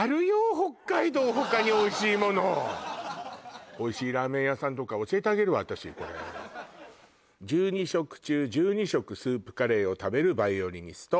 北海道他においしいものおいしいラーメン屋さんとか教えてあげるわ私これ「１２食中１２食スープカレーを食べるヴァイオリニスト」